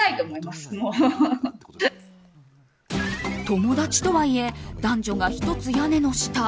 友達とはいえ男女が一つ屋根の下。